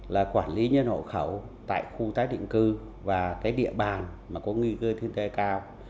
là quản lý nhân hộ khẩu tại khu tái định cư và cái địa bàn mà có ngư cư thiên tế cao